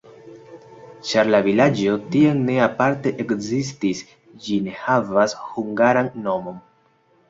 Ĉar la vilaĝo tiam ne aparte ekzistis, ĝi ne havas hungaran nomon.